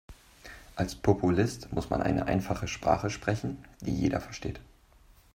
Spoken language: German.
Als Populist muss man eine einfache Sprache sprechen, die jeder versteht.